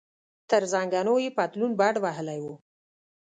تر زنګنو یې پتلون بډ وهلی و.